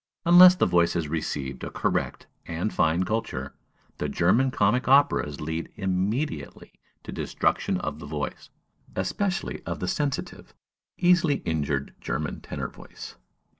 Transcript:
Unless the voice has received a correct and fine culture, the German comic operas lead immediately to destruction of the voice, especially of the sensitive, easily injured German tenor voice.